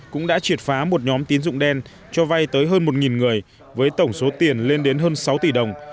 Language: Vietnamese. cũng đã triệt phá một nhóm tín dụng đen cho vay tới hơn một người với tổng số tiền lên đến hơn sáu tỷ đồng